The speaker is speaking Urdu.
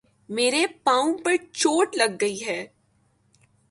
میرے پاؤں پر چوٹ لگ گئی ہے